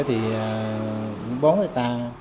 thì bốn người ta